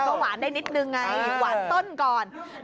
ก็หวานได้นิดนึงไงหวานต้นก่อน